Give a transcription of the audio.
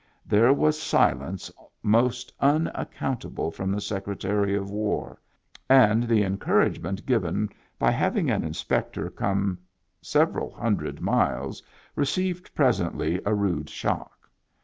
There was silence most unaccount able from the Secretary of War, and the encour agement given by having an inspector come sev eral hundred miles received presently a rude shock.